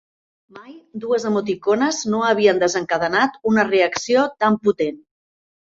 Mai dues emoticones no havien desencadenat una reacció tan potent.